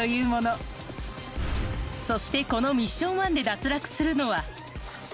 そしてこのミッション１で脱落するのは。